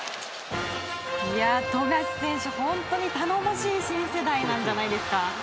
富樫選手、本当に頼もしい新世代じゃないですか。